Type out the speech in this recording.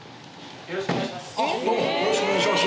よろしくお願いします